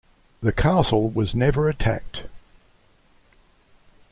The castle was never attacked.